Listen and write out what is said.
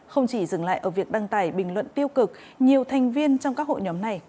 không chỉ dừng lại ở việc đăng tải bình luận tiêu cực nhiều thành viên trong các hội nhóm này